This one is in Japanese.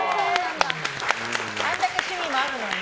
あれだけ趣味もあるのに？